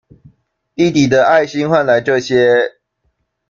弟弟的愛心換來這些